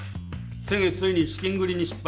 先月ついに資金繰りに失敗。